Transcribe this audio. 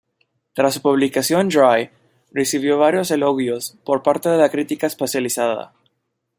Tras su publicación, "Dry" recibió varios elogios por parte de la crítica especializada.